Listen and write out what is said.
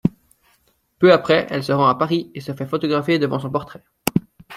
Peu après, elle se rend à Paris et se fait photographier devant son portrait.